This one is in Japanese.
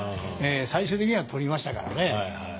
最終的には取りましたからね。